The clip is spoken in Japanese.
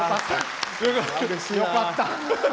よかった。